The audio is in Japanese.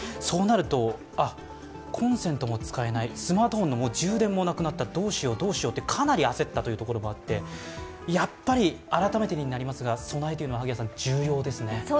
そうなると、あっ、コンセントも使えないスマートフォンの充電もなくなったどうしよう、どうしようと、かなり焦ったところがあって、やっぱり改めてになりますが備えというのは重要ですね？